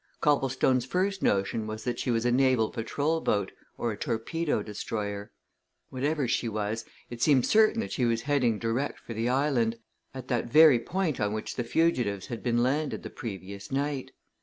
Copplestone's first notion was that she was a naval patrol boat, or a torpedo destroyer. Whatever she was it seemed certain that she was heading direct for the island, at that very point on which the fugitives had been landed the previous night.